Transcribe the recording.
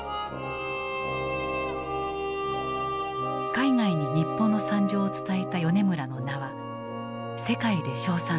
海外に日本の惨状を伝えた米村の名は世界で称賛された。